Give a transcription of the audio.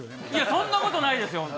そんなことないですよ。